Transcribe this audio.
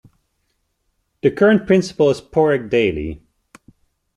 The current principal is Pauric Daly.